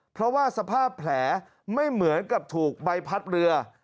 เพราะว่าสภาพแผลไม่เหมือนกับถูกใบพัดเรือ